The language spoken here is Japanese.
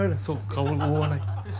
顔を覆わない。